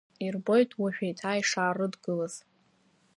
Ирбоит уажә еиҭа ишаарыдгылаз.